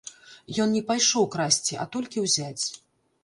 Ён не пайшоў красці, а толькі ўзяць.